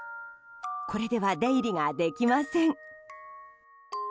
これでは、出入りができません。